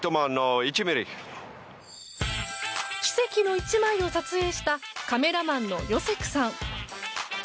奇跡の１枚を撮影したカメラマンのヨセクさん。